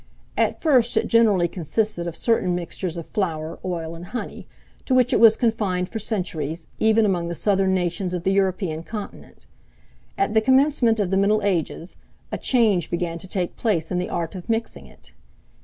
At first it generally consisted of certain mixtures of flour, oil, and honey, to which it was confined for centuries, even among the southern nations of the European continent. At the commencement of the middle ages, a change began to take place in the art of mixing it.